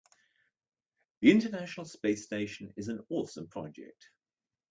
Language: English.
The international space station is an awesome project.